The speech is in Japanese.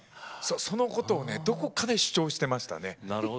そのことをどこかで主張していましたね。